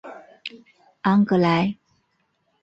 昂格莱。